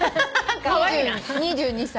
２２歳。